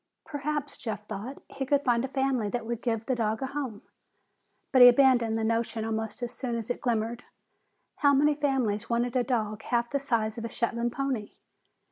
Perhaps, Jeff thought, he could find a family that would give the dog a home but he abandoned the notion almost as soon as it glimmered. How many families wanted a dog half the size of a Shetland pony?